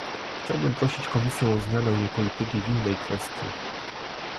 Chciałbym prosić Komisję o zmianę jej polityki w innej kwestii